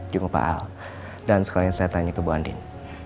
jumpa pak al dan sekalian saya tanya ke bu andin